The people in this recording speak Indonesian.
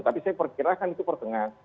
tapi saya perkirakan itu pertengahan